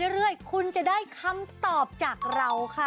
เรื่อยคุณจะได้คำตอบจากเราค่ะ